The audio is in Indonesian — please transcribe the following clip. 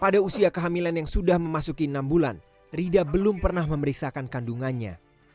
pada usia kehamilan yang sudah memasuki enam bulan rida belum pernah memeriksakan kandungannya